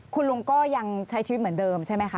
คุณลุงก็ยังใช้ชีวิตเหมือนเดิมใช่ไหมคะ